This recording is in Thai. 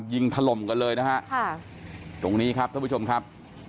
ถล่มกันเลยนะฮะค่ะตรงนี้ครับท่านผู้ชมครับ